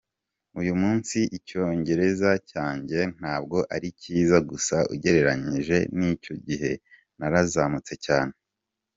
uyu munsi icyongereza cyanjye ntabwo ari cyiza gusa ugereranyije n’icyo gihe narazamutse cyane.